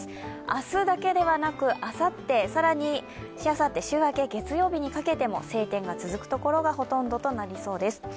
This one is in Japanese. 明日だけではなくあさって、更にしあさって週明け月曜日にかけても晴天が続く所が多そうです。